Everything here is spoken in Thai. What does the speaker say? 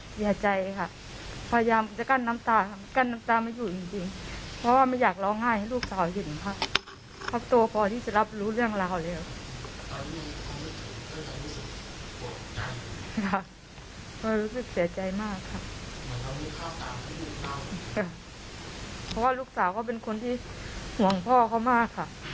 เสียใจมากค่ะเพราะว่าลูกสาวเขาเป็นคนที่ห่วงพ่อเขามากค่ะ